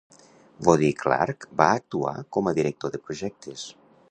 Woody Clark va actuar com a director de projectes.